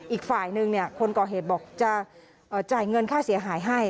อีกฝ่ายนึงคนก่อเหตุบอกจะจ่ายเงินค่าเสียหายให้